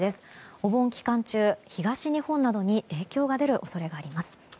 お盆期間中、東日本などに影響が出る恐れがあります。